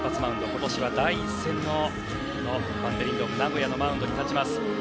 今年は第１戦のバンテリンドームナゴヤのマウンドに立ちます。